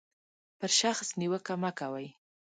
پر شخص نیوکه مه کوئ.